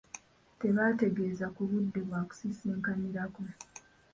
Tebaategeeza ku budde bwa kusisinkanirako.